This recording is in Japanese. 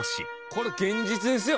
これ現実ですよ。